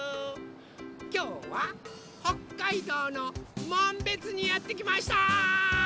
きょうはほっかいどうのもんべつにやってきました！